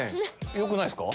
よくないっすか？